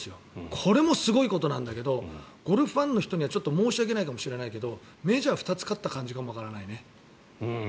これもすごいことなんだけどゴルフファンの人にはちょっと申し訳ないかもしれないけどメジャー２つ勝った感じかもしれないね。